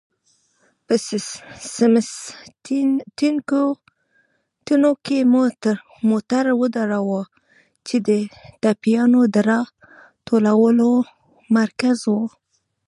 په سمسټمینټو کې مو موټر ودراوه، چې د ټپيانو د را ټولولو مرکز و.